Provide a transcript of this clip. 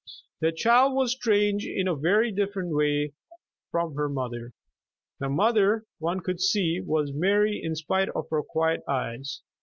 The child was strange in a very different way from her mother. The mother, one could see, was merry in spite of her quiet eyes.